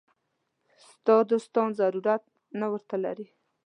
ستا دوستان ضرورت نه ورته لري.